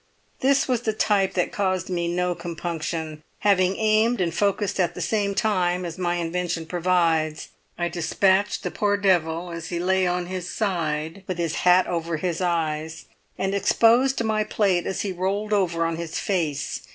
This was the type that caused me no compunction: having aimed and focussed at the same time, as my invention provides, I despatched the poor devil as he lay on his side, with his hat over his eyes, and exposed my plate as he rolled over on his face.